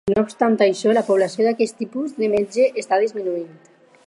No obstant això, la població d'aquest tipus de metge està disminuint.